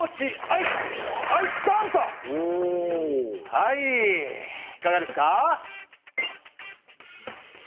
はいいかがですか？